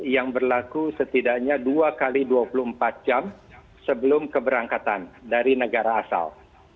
yang berlaku setidaknya dua x dua puluh empat jam sebelum keberangkatan dari negara asal